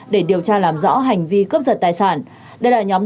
để điều tra làm rõ hành vi cấp giật tài sản